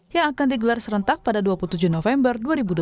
yang akan digelar serentak pada dua puluh tujuh november dua ribu dua puluh